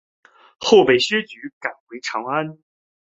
后被薛举赶回长安。